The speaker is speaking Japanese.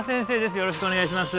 よろしくお願いします